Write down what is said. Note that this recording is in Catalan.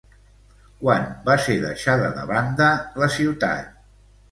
Quan va ser deixada de banda la ciutat?